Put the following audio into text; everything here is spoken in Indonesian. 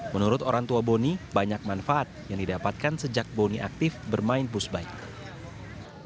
menurut orang tua boni banyak manfaat yang didapatkan sejak boni aktif bermain pushbike